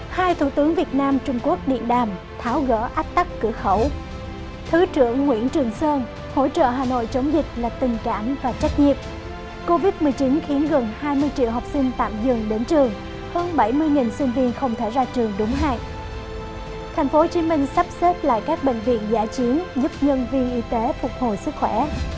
hãy đăng ký kênh để ủng hộ kênh của chúng mình nhé